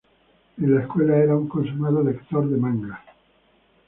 En la escuela era un consumado lector de manga.